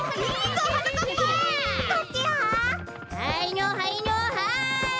はいのはいのはい！